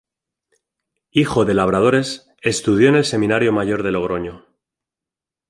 Hijo de labradores, estudió en el seminario mayor de Logroño.